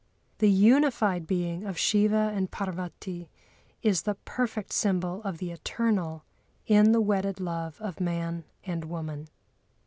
The unified being of Shiva and Parvati is the perfect symbol of the eternal in the wedded love of man and woman.